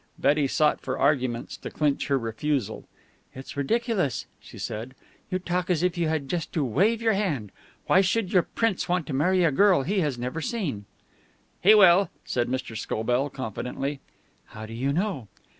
Betty sought for arguments to clinch her refusal. "It's ridiculous," she said. "You talk as if you had just to wave your hand. Why should your prince want to marry a girl he has never seen?" "He will," said Mr. Scobell confidently. "How do you know?"